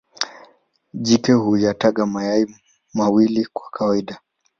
Jike huyataga mayai mawili kwa kawaida.